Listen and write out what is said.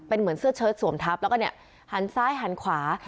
เป็นเหมือนเสื้อเชิดสวมทับแล้วก็เนี่ยหันซ้ายหันขวา